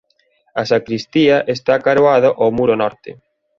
A sancristía está acaroada ao muro norte.